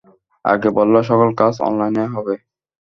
আগে বলল সকল কাজ অনলাইনে হবে।